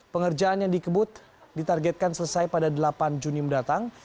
pengerjaan yang dikebut ditargetkan selesai pada delapan juni mendatang